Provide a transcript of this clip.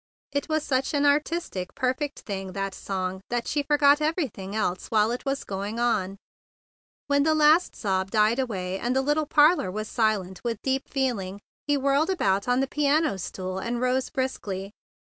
It was such an artis¬ tic, perfect thing, that song, that she forgot everything else while it was going on. When the last sob died away, and the little parlor was silent with deep feeling, he whirled about on the piano stool, and rose briskly.